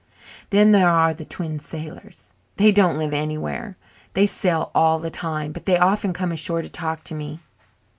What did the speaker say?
Then there are the Twin Sailors. They don't live anywhere they sail all the time, but they often come ashore to talk to me.